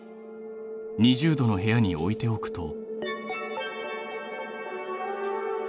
２０℃の部屋に置いておくと。